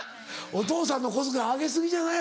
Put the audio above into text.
「お父さんの小遣いあげ過ぎじゃない？